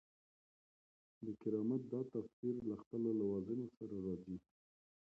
د کرامت دا تفسیر له خپلو لوازمو سره راځي.